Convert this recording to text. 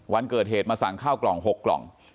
วันเกิดเหตุมาสั่งข้าวกล่อง๖กล่อง